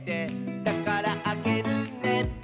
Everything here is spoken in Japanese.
「だからあげるね」